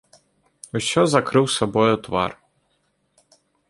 Усё закрыў сабою твар.